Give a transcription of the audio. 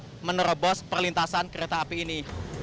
kita berusaha menerobos perlintasan kereta api ini